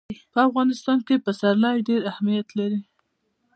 په افغانستان کې پسرلی ډېر اهمیت لري.